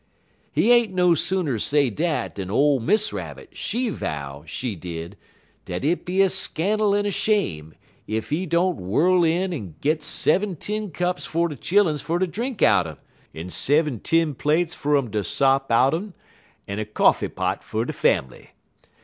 "He ain't no sooner say dat dan ole Miss Rabbit, she vow, she did, dat it be a scannul en a shame ef he don't whirl in en git sevin tin cups fer de chilluns fer ter drink out'n, en sevin tin plates fer 'm fer ter sop out 'n, en a coffee pot fer de fambly.